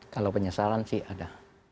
kalau penyesalan sih ada